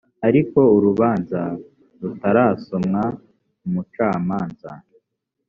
ariko urubanza rutarasomwa umucamanza